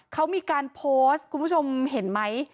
เขามีการโพสต์คุณผู้ชมเห็นไหม